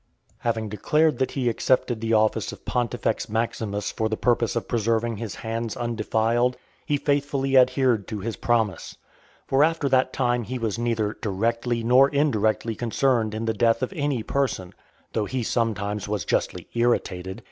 IX. Having declared that he accepted the office of Pontifex Maximus for the purpose of preserving his hands undefiled, he faithfully adhered to his promise. For after that time he was neither directly nor indirectly concerned in the death of any person, though he sometimes was justly irritated.